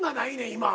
今。